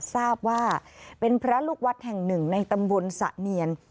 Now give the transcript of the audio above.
ทราบว่าเป็นพระลูกวัดแห่งหนึ่งในตำบลสะเนียน